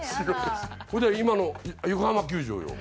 それで今の横浜球場よ。